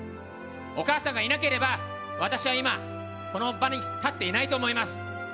お母さんがいなければ私は今、この場に立っていないと思います。